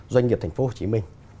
doanh nghiệp tp hcm